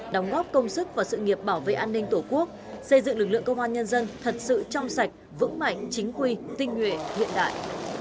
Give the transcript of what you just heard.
đóng góp công sức và sự nghiệp bảo vệ an ninh tổ quốc xây dựng lực lượng công an nhân dân thật sự trong sạch vững mạnh chính quy tinh nguyện hiện đại